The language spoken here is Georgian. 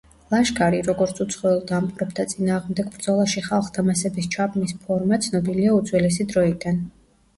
ლაშქარი, როგორც უცხოელ დამპყრობთა წინააღმდეგ ბრძოლაში ხალხთა მასების ჩაბმის ფორმა, ცნობილია უძველესი დროიდან.